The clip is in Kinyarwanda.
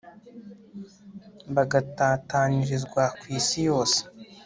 bagatatanirizwa ku isi yose